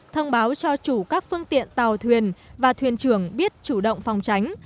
thông báo cho chủ các phương tiện tàu thuyền và thuyền trưởng biết chủ động phòng tránh